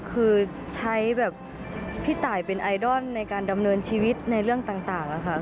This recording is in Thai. คือใช้แบบพี่ตายเป็นไอดอลในการดำเนินชีวิตในเรื่องต่างค่ะ